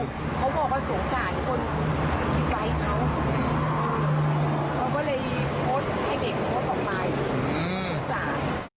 เลยถอยให้เด็กถอยออกไป